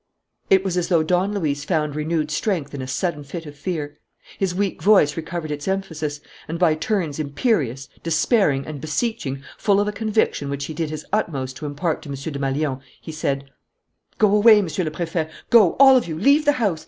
It was as though Don Luis found renewed strength in a sudden fit of fear. His weak voice recovered its emphasis, and, by turns imperious, despairing, and beseeching, full of a conviction which he did his utmost to impart to M. Desmalions, he said: "Go away, Monsieur le Préfet! Go, all of you; leave the house.